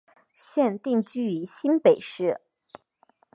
现定居于新北市。